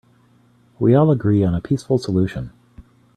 We all agree on a peaceful solution.